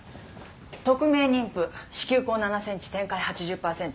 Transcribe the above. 匿名妊婦子宮口７センチ展開８０パーセント。